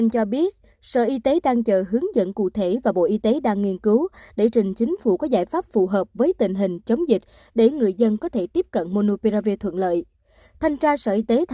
xin chào và hẹn gặp lại